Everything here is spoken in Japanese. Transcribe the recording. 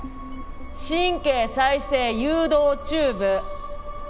神経再生誘導チューブ！